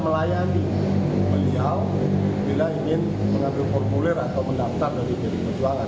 melayani beliau bila ingin mengambil formulir atau mendaftar dari pdi perjuangan